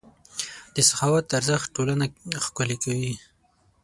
د سخاوت ارزښت ټولنه ښکلې کوي.